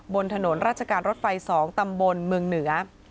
บนถนนราชการรถไฟ๒ตำบลเมืองเหนือ